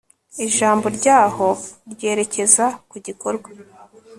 ijambo ryaho ryerekeza ku gikorwa